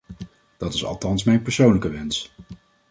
Dat is althans mijn persoonlijke wens.